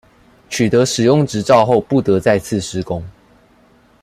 取得使用執照後不得再次施工